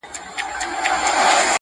هغه ولس چې انتقاد یې بغاوت ګڼل کېږي